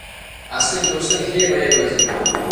اسئیں توسئیں ھے مہ یے بزے